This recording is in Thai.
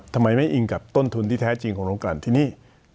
ทำไมไม่อิงกับต้นทุนที่แท้จริงของโรงการที่นี่